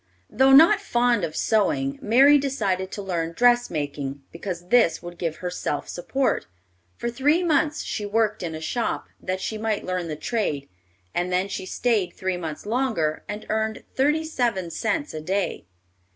Though not fond of sewing, Mary decided to learn dressmaking, because this would give her self support. For three months she worked in a shop, that she might learn the trade, and then she stayed three months longer and earned thirty seven cents a day.